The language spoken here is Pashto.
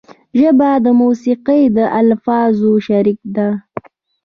ژبه د موسیقۍ د الفاظو شریک ده